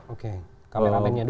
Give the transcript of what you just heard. oke kameramennya dulu